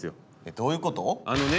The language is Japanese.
どういうこと？